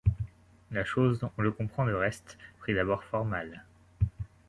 La chose, on le comprend de reste, prit d’abord fort mal.